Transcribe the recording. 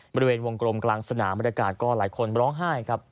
บริเวณวงกลมกลางสนามบรรยากาศก็หลายคนร้องไห้ครับ